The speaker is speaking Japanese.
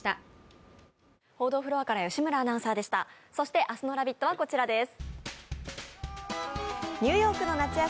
そして明日の「ラヴィット！」はこちらです。